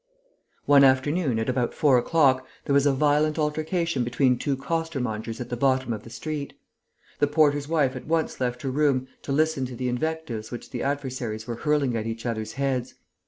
One afternoon, at about four o'clock, there was a violent altercation between two costermongers at the bottom of the street. The porter's wife at once left her room to listen to the invectives which the adversaries were hurling at each other's heads.